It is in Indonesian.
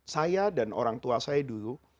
saya dan orang tua saya dulu